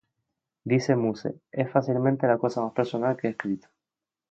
Dice Muse: "Es fácilmente la cosa más personal que he escrito.